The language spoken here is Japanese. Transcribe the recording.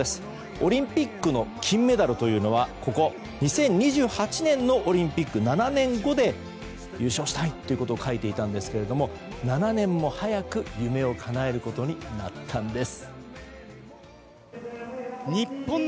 オリンピックの金メダルというのは２０２８年のオリンピック、７年後で優勝したいということを書いていたんですけど７年も早く夢をかなえることになったんです。